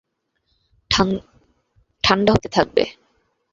ঠাণ্ডা হতে থাকবে।